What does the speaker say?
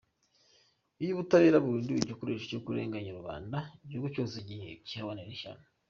Iyo ubutabera buhinduwe igikoresho cyo kurenganya rubanda, igihugu cyose kihabonera ishyano.